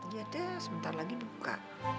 ya deh sebentar lagi buka